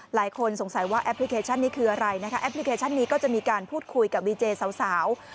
หลายคนสงสัยว่าแอปพลิเคชันนี้คืออะไรนะคะแอปพลิเคชันนี้ก็จะมีการพูดคุยกับดีเจสาว